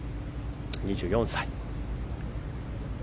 ２４歳。